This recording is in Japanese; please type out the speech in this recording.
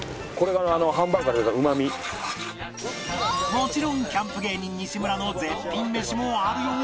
もちろんキャンプ芸人西村の絶品メシもあるよ